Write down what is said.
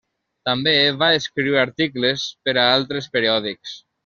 També va escriure articles per a altres periòdics.